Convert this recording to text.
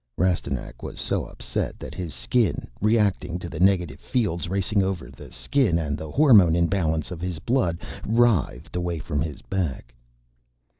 Rastignac was so upset that his Skin, reacting to the negative fields racing over the Skin and the hormone imbalance of his blood, writhed away from his back.